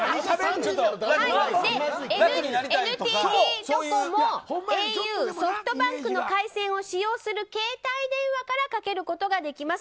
ＮＴＴドコモ、ａｕソフトバンクの回線を使用する携帯電話からかけることができます。